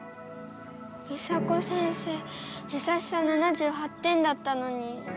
ミサコ先生やさしさ７８点だったのに。